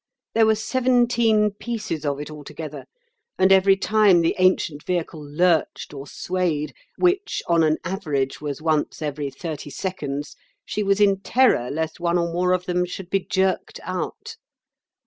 There were seventeen pieces of it altogether, and every time the ancient vehicle lurched or swayed, which on an average was once every thirty seconds, she was in terror lest one or more of them should be jerked out.